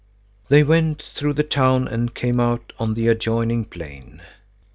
They went through the town and came out on the adjoining plain.